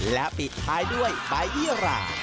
และปิดท้ายด้วยใบยี่หรา